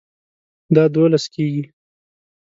دا دوولس کیږي